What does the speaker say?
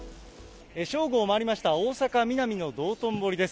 正午を回りました、大阪・ミナミの道頓堀です。